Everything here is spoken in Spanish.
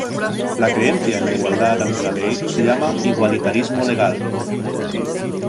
La creencia en la igualdad ante la ley se llama igualitarismo legal.